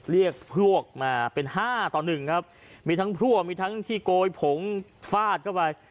เรียกพวกมาเป็นห้าต่อหนึ่งครับมีทั้งพลั่วมีทั้งที่โกยผงฟาดเข้าไป